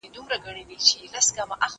زه سیر نه کوم.